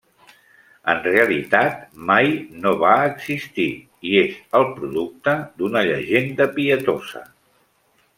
En realitat, mai no va existir i és el producte d'una llegenda pietosa.